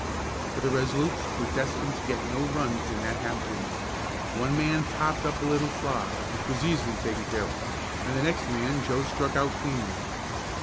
But the Resolutes were destined to get no runs in that half inning. One man popped up a little fly, which was easily taken care of, and the next man Joe struck out cleanly.